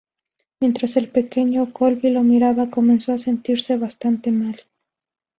Mientras el pequeño Colby lo miraba comenzó a sentirse bastante mal.